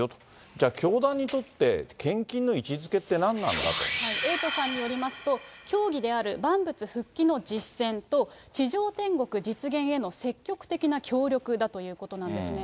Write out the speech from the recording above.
じゃあ教団にとって、エイトさんによりますと、教義である万物復帰の実践と、地上天国実現への積極的な協力だということなんですね。